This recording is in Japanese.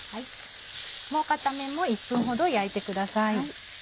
もう片面も１分ほど焼いてください。